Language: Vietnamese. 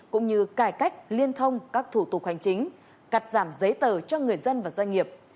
cũng như cải cách liên thông các thủ tục hành chính cắt giảm giấy tờ cho người dân và doanh nghiệp